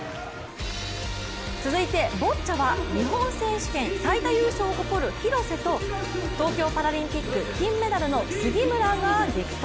続いてボッチャは日本選手権最多優勝を誇る廣瀬と東京パラリンピック金メダルの杉村が激突。